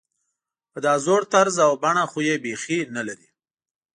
په دا زوړ طرز او بڼه خو یې بېخي نلري.